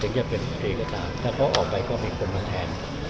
หรืออย่าเป็นตรีก็ตามถ้าเขาออกไปก็มีคนมาแทน